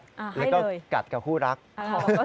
ให้เลยแล้วก็กัดกับผู้รักนะครับ